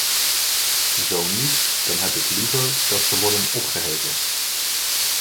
Zo niet, dan heb ik liever dat ze worden opgeheven.